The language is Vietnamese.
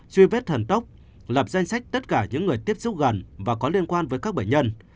truy vết thần tốc lập danh sách tất cả những người tiếp xúc gần và có liên quan với các bệnh nhân